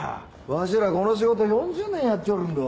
わしらこの仕事４０年やっちょるんど？